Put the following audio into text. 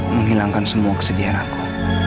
menghilangkan semua kesedihan aku